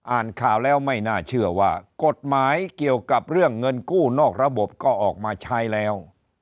อ่านข่าวแล้วไม่น่าเชื่อว่ากฎหมายเกี่ยวกับเรื่องเงินกู้นอกระบบก็ออกมาใช้แล้ว